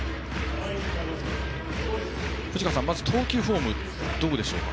藤川さん、まずは投球フォームはどうでしょうか？